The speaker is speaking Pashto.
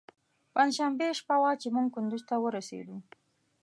پنجشنبې شپه وه چې موږ کندوز ته ورسېدو.